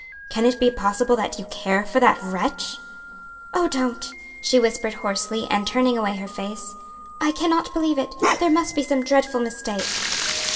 can it be possible that you care for that wretch?" "Oh, don't!" she whispered hoarsely and turning away her face; "I cannot believe it; there must be some dreadful mistake."